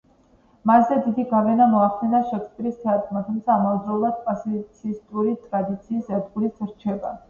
მასზე დიდი გავლენა მოახდინა შექსპირის თეატრმა, თუმცა ამავდროულად კლასიცისტური ტრადიციის ერთგულიც რჩება.